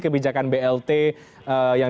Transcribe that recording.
kebijakan blt yang